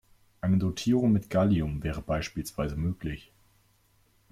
Eine Dotierung mit Gallium wäre beispielsweise möglich.